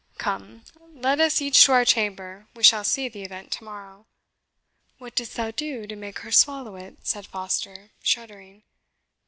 Come, let us each to our chamber we shall see the event to morrow." "What didst thou do to make her swallow it?" said Foster, shuddering.